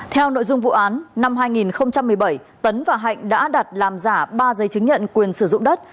theo nội dung vụ án năm hai nghìn một mươi bảy tấn và hạnh đã đặt làm giả ba giấy chứng nhận quyền sử dụng đất